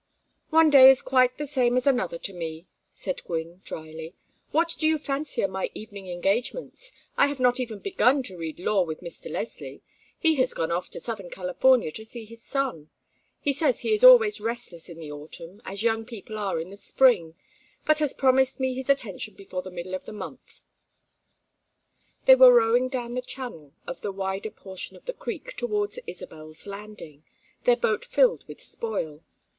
"One day is quite the same as another to me," said Gwynne, dryly. "What do you fancy are my evening engagements? I have not even begun to read law with Mr. Leslie; he has gone off to southern California to see his son. He says he is always restless in the autumn, as young people are in the spring, but has promised me his attention before the middle of this month." They were rowing down the channel of the wider portion of the creek towards Isabel's landing, their boat filled with spoil.